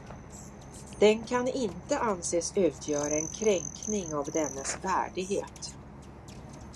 Den kan inte anses utgöra en kränkning av dennes värdighet.